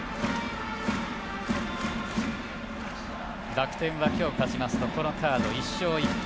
楽天は今日、勝ちますとこのカード１勝１敗。